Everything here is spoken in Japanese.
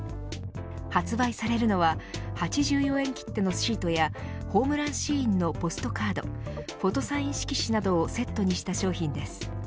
発売されるのは８４円切手のシートやホームランシーンのポストカードフォトサイン色紙などをセットにした商品です。